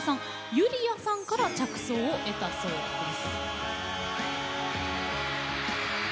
ユリヤさんから着想を得たそうなんです。